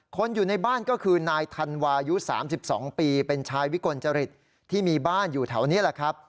คนอยู่ในบ้านก็คือนายธันวายุ๓๒ปีเป็นชายวิกลจริตที่มีบ้านอยู่แถวนี้แหละครับ